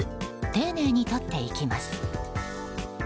丁寧にとっていきます。